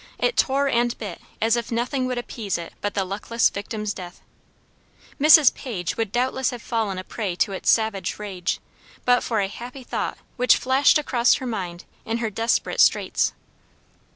It tore and bit as if nothing would appease it but the luckless victim's death. Mrs. Page would doubtless have fallen a prey to its savage rage, but for a happy thought which flashed across her mind in her desperate straits.